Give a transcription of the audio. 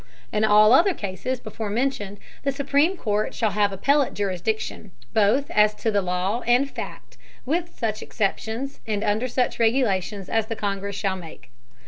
In all the other Cases before mentioned, the supreme Court shall have appellate Jurisdiction, both as to Law and Fact, with such Exceptions, and under such regulations as the Congress shall make.